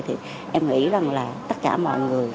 thì em nghĩ rằng là tất cả mọi người